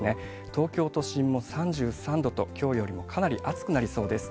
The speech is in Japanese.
東京都心も３３度と、きょうよりもかなり暑くなりそうです。